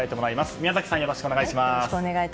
宮崎さん、よろしくお願いします。